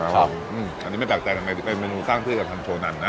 ครับอันนี้ไม่แปลกใจเป็นเมนูสร้างพืชกับทันโชว์นั้นนะ